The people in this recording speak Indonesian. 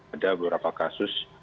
ada beberapa kasus